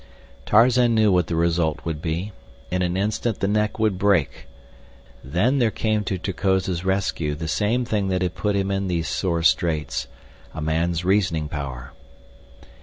Tarzan knew what the result would be. In an instant the neck would break. Then there came to Terkoz's rescue the same thing that had put him in these sore straits—a man's reasoning power.